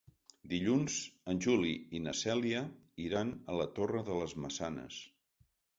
Dilluns en Juli i na Cèlia iran a la Torre de les Maçanes.